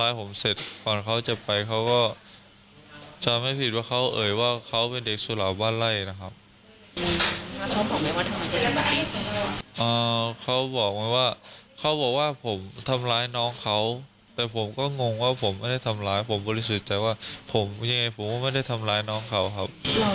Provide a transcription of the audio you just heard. เขาบอกไหมว่าเขาบอกว่าผมทำร้ายน้องเขาแต่ผมก็งงว่าผมไม่ได้ทำร้ายผมบริสุทธิ์แต่ว่าผมยังไงผมก็ไม่ได้ทำร้ายน้องเขาครับ